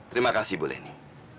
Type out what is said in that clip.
terima kasih bu leni